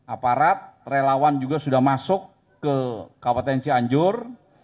aparat relawan juga sudah masuk ke kabupaten cianjur